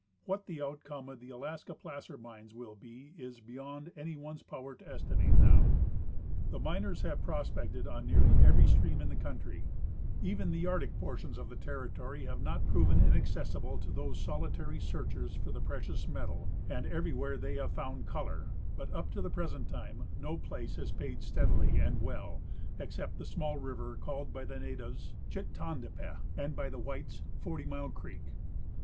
What the outcome of the Alaskan placer mines will be is be yond any one's power to estimate now. The miners have i3ros pected on nearly every stream in the country ; 6>ven the Arctic 26— Nat. Geog. Mag., vol, IV, 1892. 188 J. E. McGrath — The Alaskan Boundary Survey. portions of the territory have not proven inaccessible to those solitary searchers for the precious metal, and everywhere they have found " color," but up to the present time no place has paid steadily and well, except the small river called by the natives Chitandipeh, and by the whites Forty Mile creek.